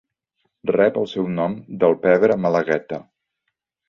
Rep el seu nom del pebre malagueta.